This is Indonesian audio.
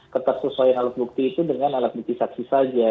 ketersesuaian alat bukti itu dengan alat bukti saksi saja